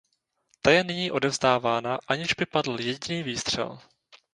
Ta je nyní odevzdávána, aniž by padl jediný výstřel.